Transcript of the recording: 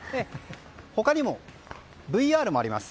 他にもＶＲもあります。